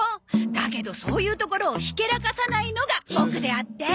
だけどそういうところをひけらかさないのがボクであって。